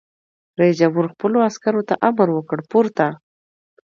رئیس جمهور خپلو عسکرو ته امر وکړ؛ پورته!